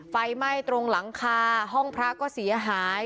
ไฟไหม้ตรงหลังคาห้องพระก็เสียหาย